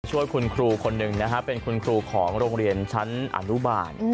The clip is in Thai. ช่วยคุณครูคนหนึ่งนะฮะเป็นคุณครูของโรงเรียนชั้นอนุบาล